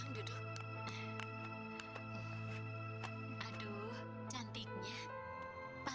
ya ampun ibu